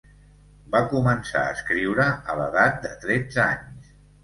Va començar a escriure a l'edat de tretze anys.